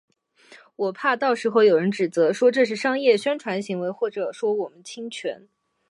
我怕到时候有人指责，说这是商业宣传行为或者说我们侵权